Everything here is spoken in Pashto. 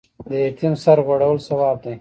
د یتیم سر غوړول ثواب دی